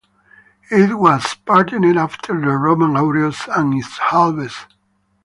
It was patterned after the Roman aureus and its halves.